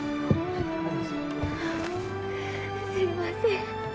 すいません。